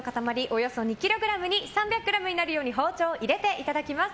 およそ２ｋｇに３００ｇになるように包丁を入れていただきます。